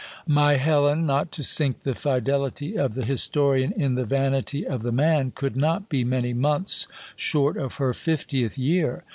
My Helen, not to sink the fidelity of the his torian in the vanity of the man, could not be many months short of her fiftieth year.